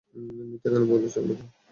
মিথ্যা কেন বলেছ আমাকে?